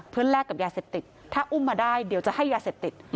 เพื่อแลกกับยาเสพติดถ้าอุ้มมาได้เดี๋ยวจะให้ยาเสพติด